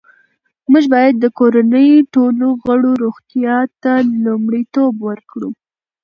موږ باید د کورنۍ ټولو غړو روغتیا ته لومړیتوب ورکړو